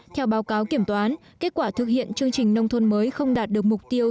theo báo cáo kiểm toán kết quả thực hiện chương trình nông thôn mới không đạt được mục tiêu